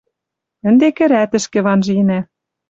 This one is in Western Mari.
Ӹнде кӹрӓтӹшкӹ ванженӓ.